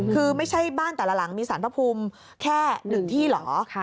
คือไม่ใช่บ้านแต่ละหลังมีสารพระภูมิแค่๑ที่เหรอ